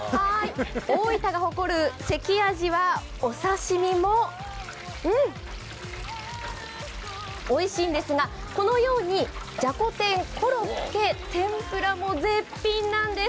お刺身も、うん、おいしいんですがこのようにじゃこ天、コロッケ、天ぷらも絶品なんです。